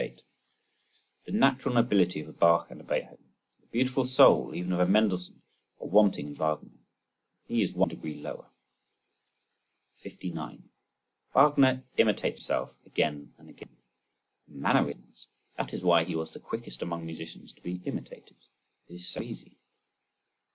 The natural nobility of a Bach and a Beethoven, the beautiful soul (even of a Mendelssohn) are wanting in Wagner. He is one degree lower. 59. Wagner imitates himself again and again—mannerisms. That is why he was the quickest among musicians to be imitated. It is so easy.